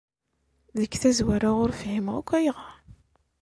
Deg tazwara ur fhimeɣ akk ayɣer.